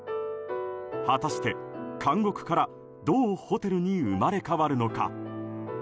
果たして、監獄からどうホテルに生まれ変わるのか。